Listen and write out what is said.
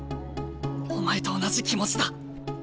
お前と同じ気持ちだ。